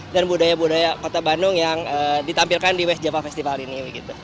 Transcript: dan budaya budaya kota bandung yang ditampilkan di west java festival ini